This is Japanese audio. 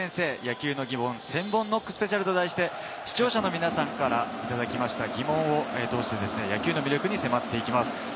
野球のギモン千本ノックスペシャルと題して、視聴者の皆さんからいただきました疑問を通してですね、野球の魅力に迫っていきます。